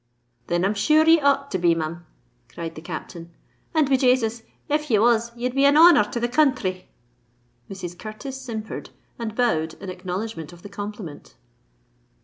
"Then I'm sure ye ought to be, Mim," cried the Captain; "and, be Jasus! if ye was, ye'd be an honour to the counthry!" Mrs. Curtis simpered, and bowed in acknowledgment of the compliment.